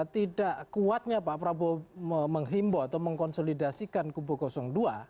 tidak kuatnya pak prabowo menghimbau atau mengkonsolidasikan kubu dua